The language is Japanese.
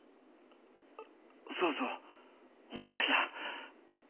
そうそう思い出した。